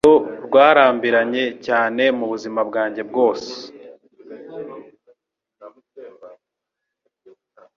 Urugendo rwarambiranye cyane mubuzima bwanjye bwose.